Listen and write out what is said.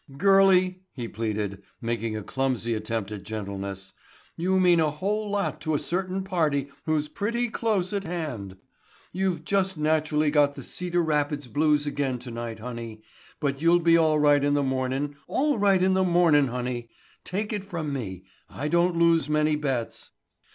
"Girlie," he pleaded, making a clumsy attempt at gentleness, "you mean a whole lot to a certain party who's pretty close at hand. You've just naturally got the Cedar Rapids blues again tonight, honey, but you'll be all right in the mornin', all right in the mornin', honey. Take it from me. I don't lose many bets."